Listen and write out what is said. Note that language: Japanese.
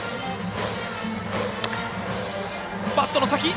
バットの先。